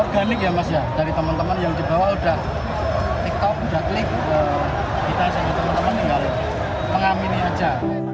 organik ya mas ya dari teman teman yang di bawah udah tiktok udah klik kita sama teman teman tinggal mengamini aja